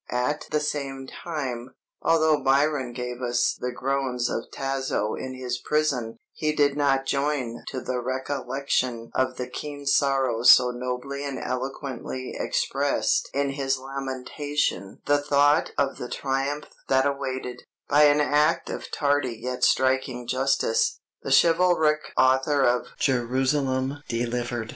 At the same time, although Byron gave us the groans of Tasso in his prison, he did not join to the recollection of the keen sorrows so nobly and eloquently expressed in his 'Lamentation' the thought of the triumph that awaited, by an act of tardy yet striking justice, the chivalric author of 'Jerusalem Delivered.'